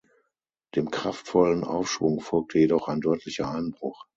Dem kraftvollen Aufschwung folgte jedoch ein deutlicher Einbruch.